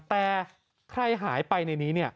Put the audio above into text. แต่ใครหายไปในนี้เนี่ย